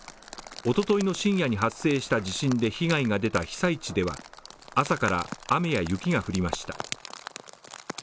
おとといの深夜に発生した地震で被害が出た被災地では、朝から雨や雪が降りました。